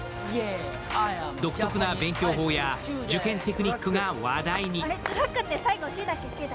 独特な勉強法や受験テクニックが話題に。